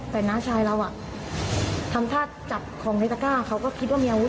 แต่น้าชายเราอ่ะทำท่าจับของในตะก้าเขาก็คิดว่ามีอาวุธ